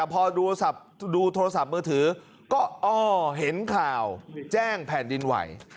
พอดูโทรศัพท์มือถือก็อ้อเห็นข่าวแจ้งแผ่นดินไหว